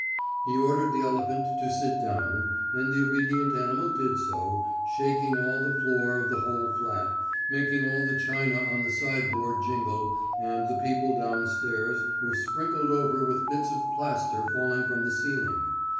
He ordered the elephant to sit down, and the obedient animal did so, shaking all the floor of the whole flat, making all the china on the sideboard jingle, and the people downstairs were sprinkled over with bits of plaster falling from the ceiling.